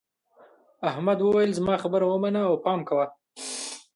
احمد وویل زما خبره ومنه او پام کوه.